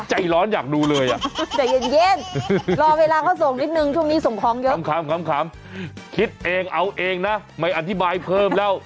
ใจร้อนอยากดูเลยอ่ะใจเย็นรอเวลาเขาส่งนิดนึงช่วงนี้ส่งของเยอะขำคิดเองเอาเองนะไม่อธิบายเพิ่มแล้ว